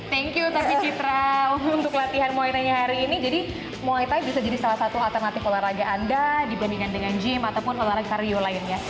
thank you tapi citra untuk latihan muay thai hari ini jadi muay thai bisa jadi salah satu alternatif olahraga anda dibandingkan dengan gym ataupun olahraga rio lainnya